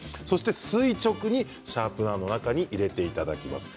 垂直にシャープナーの中に入れていただきます。